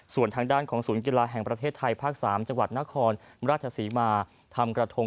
ส่วนทางด้านของศูนย์กีฬาแห่งประเทศไทยภาค๓จังหวัดนครราชศรีมาทำกระทง